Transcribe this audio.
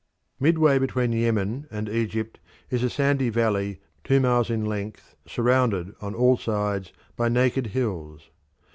Midway between Yemen and Egypt is a sandy valley two miles in length, surrounded on all sides by naked hills.